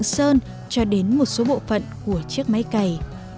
từ sơn cho đến một số bộ phận của chiếc máy cày